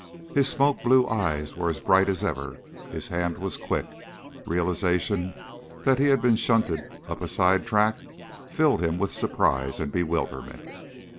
His smoke blue eyes were as bright as ever, his hand was quick; realization that he had been shunted upon a side track filled him with surprise and bewilderment.